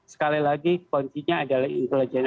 sekali lagi kuncinya adalah intelijen